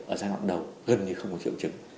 ở giai đoạn đầu gần như không có triệu chứng